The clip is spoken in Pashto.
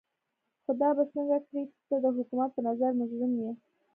خو دا به څنګه کړې چې ته د حکومت په نظر مجرم يې.